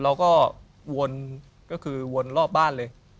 เราก็วนก็คือวนรอบบ้านเลย